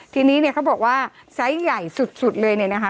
ทีนี้เนี่ยเขาบอกว่าไซส์ใหญ่สุดเลยเนี่ยนะคะ